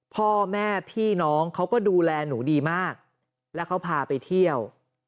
พ่อแม่พี่น้องเขาก็ดูแลหนูดีมากแล้วเขาพาไปเที่ยว